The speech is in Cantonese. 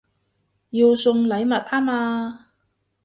要送禮物吖嘛